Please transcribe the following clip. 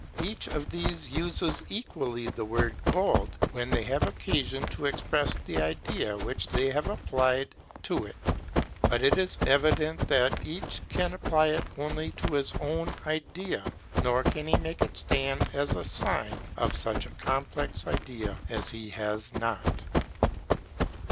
Each of these uses equally the word gold, when they have occasion to express the idea which they have applied it to: but it is evident that each can apply it only to his own idea; nor can he make it stand as a sign of such a complex idea as he has not.